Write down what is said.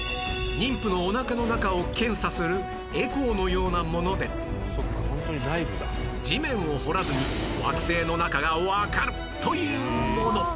妊婦のおなかの中を検査するエコーのようなもので地面を掘らずに惑星の中がわかるというもの